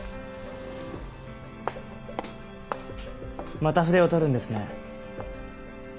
また筆を執るんですね。